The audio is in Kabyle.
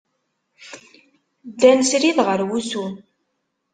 Ddan srid ɣer wusu.